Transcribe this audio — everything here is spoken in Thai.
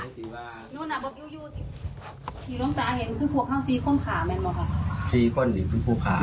อาจจะยอดกับพระม่าคือหยาดมันหลายคน